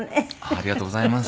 ありがとうございます。